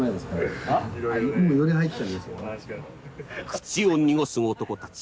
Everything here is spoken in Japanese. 「口を濁す男たち」